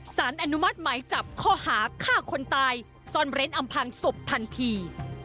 สารอนุมัติหมายจับข้อหาฆ่าคนตายซ่อนเร้นอำพังศพทันที